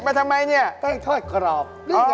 นี่ไงแป้งทอดกรอบ